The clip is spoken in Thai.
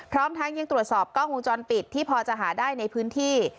พร้อมทั้งยังตรวจสอบกล้องวงจรปิดที่พอจะหาได้ในพื้นที่